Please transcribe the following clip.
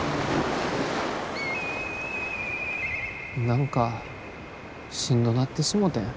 何かしんどなってしもてん。